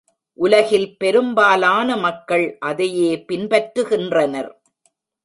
உலகில் பெரும்பாலான மக்கள் அதையே பின்பற்றுகின்றனர்.